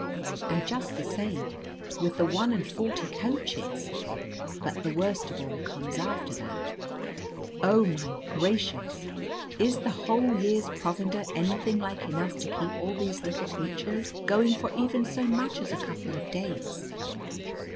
And just the same with the one and forty coaches. But the worst of all comes after that. Oh, my gracious! is the whole year's provender anything like enough to keep all these little creatures going for even so much as a couple of days?"